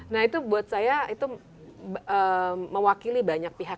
nah itu buat saya itu mewakili banyak pihak